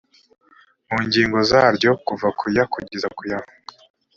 mu ngingo zaryo kuva ku ya kugeza ku ya